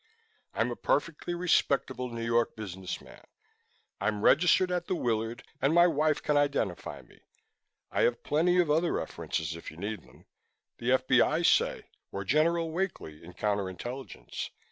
"I'm a perfectly respectable New York business man. I'm registered at the Willard and my wife can identify me. I have plenty of other references, if you need them. The F.B.I., say, or General Wakely in Counter Intelligence.